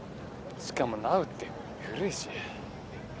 しかも「なう」って古いし。